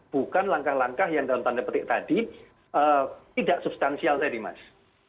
bukan langkah langkah yang dalam tanda petik tadi tidak substansial tadi mas